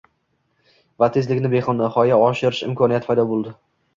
va tezligini benihoya oshirish imkoniyati paydo bo‘ldi.